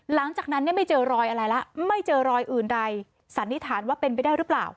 หลังจากนั้นเนี่ยไม่เจอรอยอะไรแล้วไม่เจอรอยอื่นใดสันนิษฐานว่าเป็นไปได้หรือเปล่า